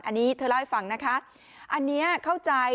อันนี้เธอเล่าให้ฟังนะคะอันนี้เข้าใจ